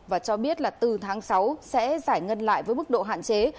và cho biết là từ tháng sáu sẽ giải ngân lại với mức độ hạn chế